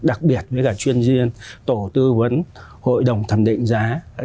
đặc biệt với cả chuyên viên tổ tư vấn hội đồng thẩm định giá